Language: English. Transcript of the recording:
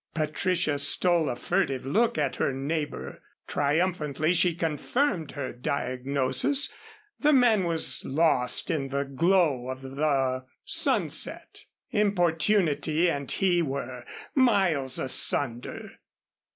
Patricia stole a furtive look at her neighbor. Triumphantly she confirmed her diagnosis. The man was lost in the glow of the sunset. Importunity and he were miles asunder.